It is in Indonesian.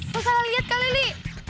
kau salah liat kali li